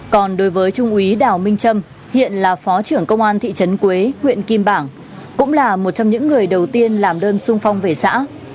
còn đối với trung úy đào minh trâm hiện là phó trưởng công an thị trấn quế huyện kim bảng cũng là một trong những người đầu tiên làm đơn sung phong về xã